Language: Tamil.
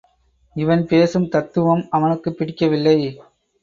இவன் பேசும் தத்துவம் அவனுக்குப் பிடிக்கவில்லை.